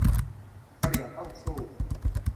กะเหรี่ยงต้องสู้